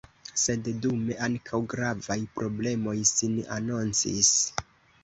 Sed dume ankaŭ gravaj problemoj sin anoncis.